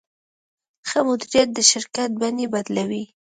ښه مدیریت د شرکت بڼې بدلوي.